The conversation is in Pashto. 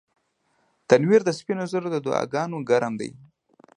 تنور د سپین زرو د دعاګانو ګرم دی